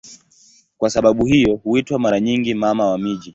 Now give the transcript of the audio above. Kwa sababu hiyo huitwa mara nyingi "Mama wa miji".